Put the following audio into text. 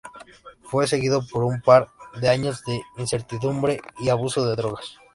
Fue seguido por un par de años de incertidumbre y abuso de drogas.